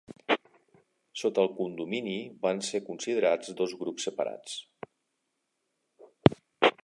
Sota el condomini van ser considerats dos grups separats.